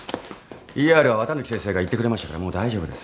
ＥＲは綿貫先生が行ってくれましたからもう大丈夫です。